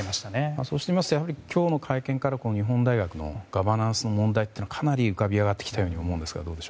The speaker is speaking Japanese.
そうしてみますと今日の会見から日本大学のガバナンスの問題というのはかなり浮かび上がってきたように思うんですが。